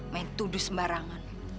main tuduh sembarangan